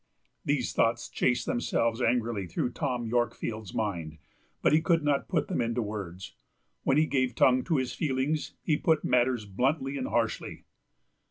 These thoughts chased themselves angrily through Tom Yorkfield's mind, but he could not put them into words. When he gave tongue to his feelings he put matters bluntly and harshly.